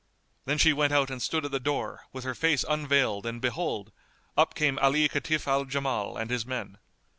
Then she went out and stood at the door, with her face unveiled and behold, up came Ali Kitf al Jamal and his men.